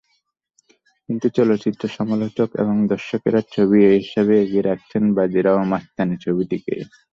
কিন্তু চলচ্চিত্র সমালোচক এবং দর্শকেরা ছবি হিসেবে এগিয়ে রাখছেন বাজিরাও মাস্তানি ছবিটিকেই।